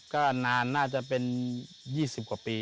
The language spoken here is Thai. ก็นานน่าจะเป็น๒๐กว่าปี